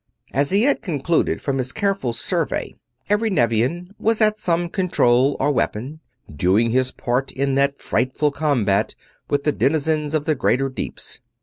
As he had concluded from his careful survey, every Nevian was at some control or weapon, doing his part in that frightful combat with the denizens of the greater deeps.